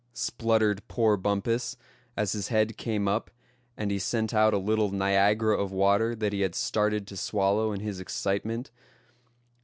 spluttered poor Bumpus, as his head came up, and he sent out a little Niagara of water that he had started to swallow in his excitement.